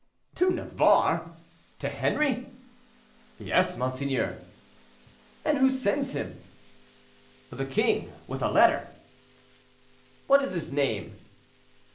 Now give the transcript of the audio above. "To Navarre! to Henri?" "Yes, monseigneur." "And who sends him?" "The king, with a letter." "What is his name?"